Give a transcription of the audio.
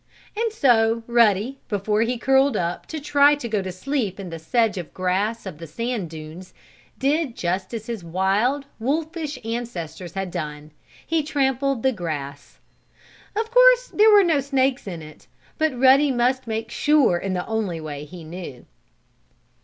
And so Ruddy, before he curled up to try to go to sleep in the sedge grass of the sand dunes, did just as his wild, wolfish ancestors had done he trampled the grass. Of course there were no snakes in it, but Ruddy must make sure in the only way he knew.